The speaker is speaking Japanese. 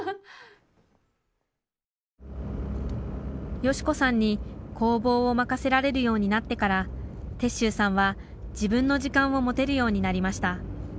佳子さんに工房を任せられるようになってから鉄舟さんは自分の時間を持てるようになりました。